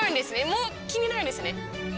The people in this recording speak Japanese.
もう気になるんですよね。